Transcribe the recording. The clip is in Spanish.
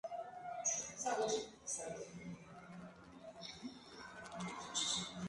La información la dio a conocer la revista Variety.